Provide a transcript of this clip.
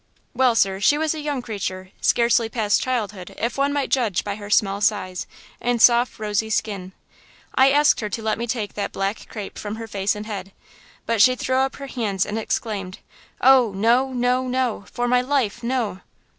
"Well, sir, she was a young creature, scarcely past childhood, if one might judge by her small size and soft, rosy skin. I asked her to let me take that black crape from her face and head, but she threw up her hands and exclaimed: "'Oh, no; no, no! for my life, no!'